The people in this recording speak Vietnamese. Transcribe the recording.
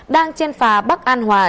đang trên phà bắc an hòa